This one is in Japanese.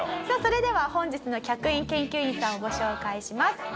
さあそれでは本日の客員研究員さんをご紹介します。